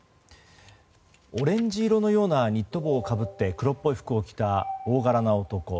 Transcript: オレンジ色のようなニット帽をかぶって黒っぽい服を着た大柄な男。